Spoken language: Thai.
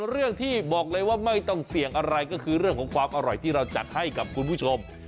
เรื่องที่บอกเลยว่าไม่ต้องเสี่ยงอะไรก็คือเรื่องของความอร่อยที่เราจัดให้กับคุณผู้ชม